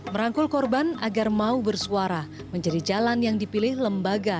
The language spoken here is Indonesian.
merangkul korban agar mau bersuara menjadi jalan yang dipilih lembaga